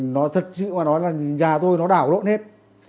nó thật sự mà nói là nhà tôi nó đảo lộn hết